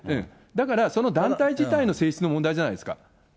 だから、その団体自体の性質の問題じゃないですか。